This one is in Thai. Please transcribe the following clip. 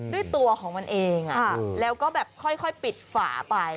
ด้วยตัวของมันเองแล้วก็แบบค่อยปิดฝาไป